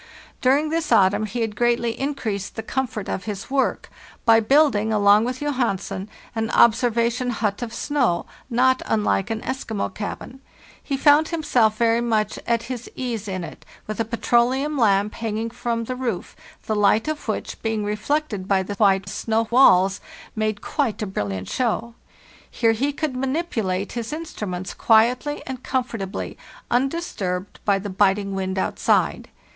During this autumn he had greatly increased the com fort of his work by building, along with Johansen, an observation hut of snow, not unlike an Eskimo cabin. He found himself very much at his ease in it, with a petroleum lamp hanging from the roof, the light of which, being reflected by the white snow walls, made quite a "Willies SCOTT HANSEN'S OBSERVATORY WE PREPARE FOR THE SLEDGE EXPEDITION 19 brilliant show. Here he could manipulate his instru ments quietly and comfortably, undisturbed by the biting wind outside.